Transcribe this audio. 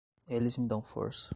Eles me dão força.